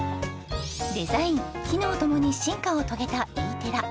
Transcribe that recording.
デザイン機能ともに進化を遂げたＥ−ＴＥＲＲＡ